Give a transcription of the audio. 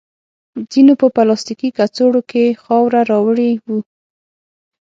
ځینو په پلاستیکي کڅوړو کې خواړه راوړي وو.